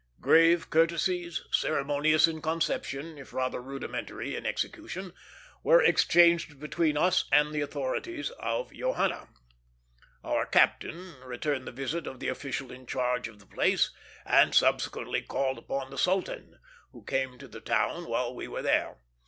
Grave courtesies, ceremonious in conception, if rather rudimentary in execution, were exchanged between us and the authorities of Johanna. Our captain returned the visit of the official in charge of the place, and subsequently called upon the sultan, who came to the town while we were there.